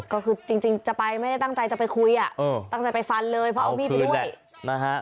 ก็คือจริงจะไปไม่ได้ตั้งใจจะไปคุยอ่ะเออตั้งใจไปฟันเลยเพราะเอามีดไปด้วยนะฮะ